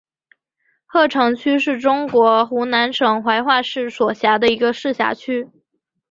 鹤城区是中国湖南省怀化市所辖的一个市辖区。